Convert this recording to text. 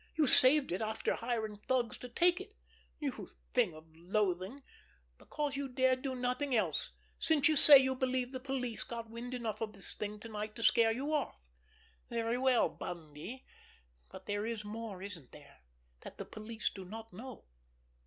You saved it, after hiring thugs to take it, you thing of loathing, because you dared do nothing else, since you say you believe the police got wind enough of this thing tonight to scare you off. Very well, Bundy—but there is more, isn't there, that the police do not know?